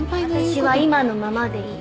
私は今のままでいい。